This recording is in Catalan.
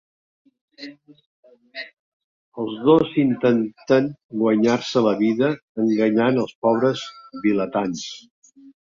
Els dos intenten guanyar-se la vida enganyant als pobres vilatans.